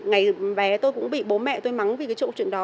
ngày bé tôi cũng bị bố mẹ tôi mắng vì cái câu chuyện đó